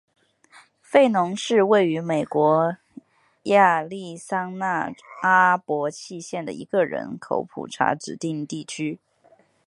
弗农是位于美国亚利桑那州阿帕契县的一个人口普查指定地区。